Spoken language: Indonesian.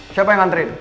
siapa yang anterin